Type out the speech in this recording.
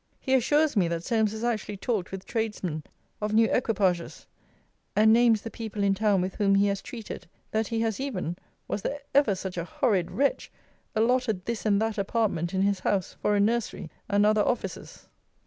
He assures me, that Solmes has actually talked with tradesmen of new equipages, and names the people in town with whom he has treated: that he has even' [Was there ever such a horrid wretch!] 'allotted this and that apartment in his house, for a nursery, and other offices.'